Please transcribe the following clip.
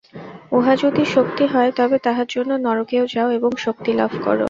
উহা যদি শক্তি হয়, তবে তাহার জন্য নরকেও যাও এবং শক্তি লাভ কর।